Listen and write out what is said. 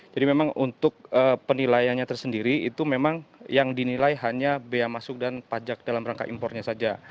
jadi memang untuk penilaiannya tersendiri itu memang yang dinilai hanya bea masuk dan pajak dalam rangka impornya saja